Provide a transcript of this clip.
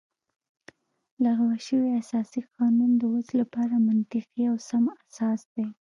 لغوه شوی اساسي قانون د اوس لپاره منطقي او سم اساس دی